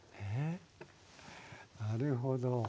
なるほど。